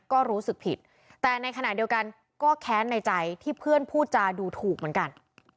ก็รู้สึกผิดแต่ในขณะเดียวกันก็แค้นในใจที่เพื่อนพูดจาดูถูกเหมือนกัน